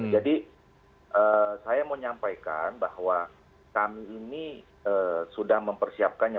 jadi saya mau nyampaikan bahwa kami ini sudah mempersiapkannya